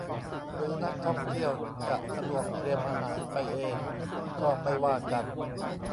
หรือนักท่องเที่ยวจะสะดวกเตรียมอาหารไปเองก็ไม่ว่ากัน